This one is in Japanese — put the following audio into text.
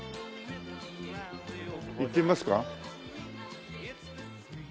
行ってみますか？